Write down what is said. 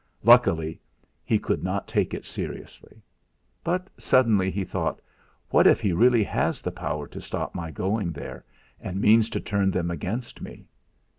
Luckily he could not take it seriously. But suddenly he thought: 'What if he really has the power to stop my going there, and means to turn them against me!'